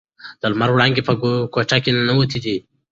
د لمر وړانګې په کوټه کې ننووتې دي.